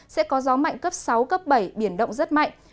sẽ có gió mạnh cấp sáu cấp bảy biển động rất mạnh